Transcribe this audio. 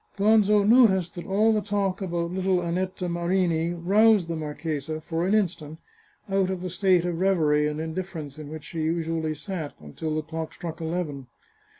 Gonzo noticed that all the talk about little Annetta Marini roused the marchesa, for an instant, out of the state of reverie and indifference in which she usually sat, until the clock struck eleven.